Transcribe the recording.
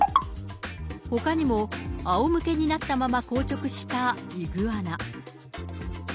ほかにも、あおむけになったまま硬直したイグアナ。